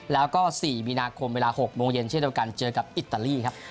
แล้วก็๔มีนาคมเวลา๖โมงเย็นเจอกับอิตาลีครับ